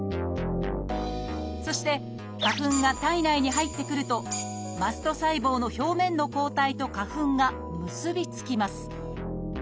そして花粉が体内に入ってくるとマスト細胞の表面の抗体と花粉が結び付きます。